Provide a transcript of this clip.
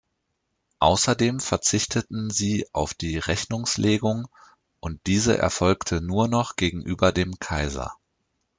Außerdem verzichteten sie auf die Rechnungslegung und diese erfolgte nur noch gegenüber dem Kaiser.